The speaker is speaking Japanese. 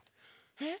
えっ？